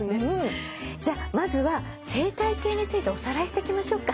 じゃあまずは生態系についておさらいしていきましょうか。